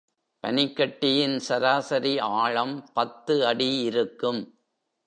பனிக்கட்டியின் சராசரி ஆழம் பத்து அடி இருக்கும்.